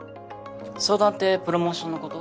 相談ってプロモーションのこと？